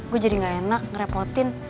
gue jadi gak enak ngerepotin